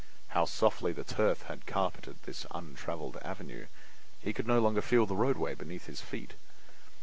How softly the turf had carpeted the untraveled avenue—he could no longer feel the roadway beneath his feet!